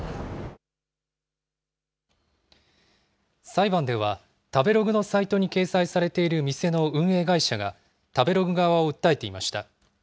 裁判では、食べログのサイトに掲載されている店の運営会社が、食べログ側を訴えていました。